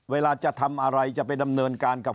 เวลาจะทำอะไรจะไปดำเนินการกับ